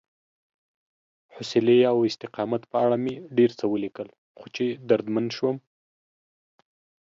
حوصلې او استقامت په اړه مې ډېر څه ولیکل، خو چې دردمن شوم